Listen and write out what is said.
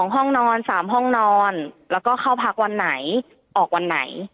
ห้องนอน๓ห้องนอนแล้วก็เข้าพักวันไหนออกวันไหน